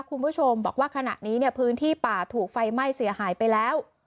คุณผู้ชมบอกว่าขณะนี้เนี่ยพื้นที่ป่าถูกไฟไหม้เสียหายไปแล้ว